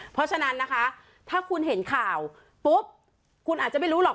เพราะฉะนั้นนะคะถ้าคุณเห็นข่าวปุ๊บคุณอาจจะไม่รู้หรอก